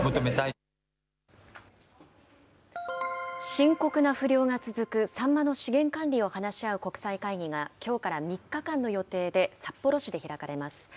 深刻な不漁が続くサンマの資源管理を話し合う国際会議がきょうから３日間の予定で札幌市で開かれます。